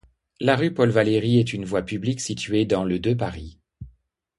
La rue Paul-Valéry est une voie publique située dans le de Paris.